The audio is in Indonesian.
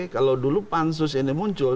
kalau dulu pansus ini muncul